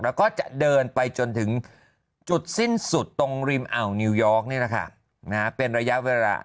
แล้วก็จะเดินไปจนถึงจุดสิ้นสุดตรงริมอ่าวนิวยอร์กนี่แหละค่ะเป็นระยะเวลา